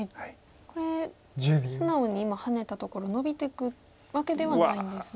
これ素直に今ハネたところノビていくわけではないんですね。